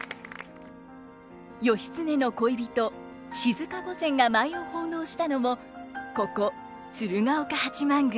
義経の恋人静御前が舞を奉納したのもここ鶴岡八幡宮。